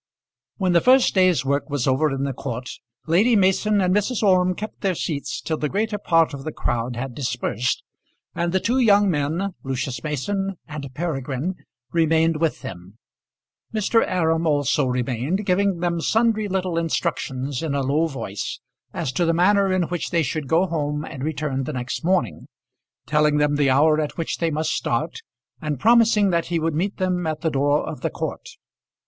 When the first day's work was over in the court, Lady Mason and Mrs. Orme kept their seats till the greater part of the crowd had dispersed, and the two young men, Lucius Mason and Peregrine, remained with them. Mr. Aram also remained, giving them sundry little instructions in a low voice as to the manner in which they should go home and return the next morning, telling them the hour at which they must start, and promising that he would meet them at the door of the court.